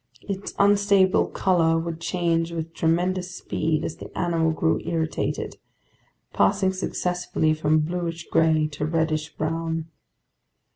Its unstable color would change with tremendous speed as the animal grew irritated, passing successively from bluish gray to reddish brown.